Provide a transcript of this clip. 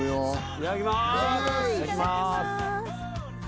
いただきます。